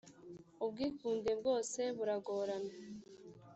ubwikunde bwose buragorana.